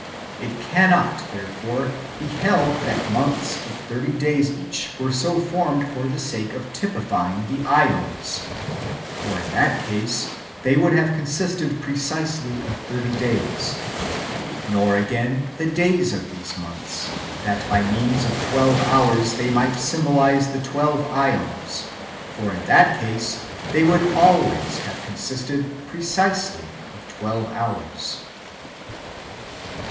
It cannot therefore be held that months of thirty days each w^ere so formed for the sake of [typifying] the iEons ; for, in that case, they would have consisted precisely of thirty days : nor, again, the days of these months, that by means of twelve hours they might symbolize the twelve ^ons ; for, in that case, they would always have consisted precisely of twelve hours.